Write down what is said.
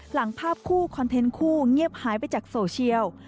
หลังภาพคู่คอนเทนต์คู่เงียบหายไปจากโซเชียล